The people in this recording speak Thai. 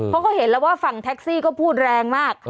เพราะเขาเห็นแล้วว่าฝั่งแท็กซี่ก็พูดแรงมาก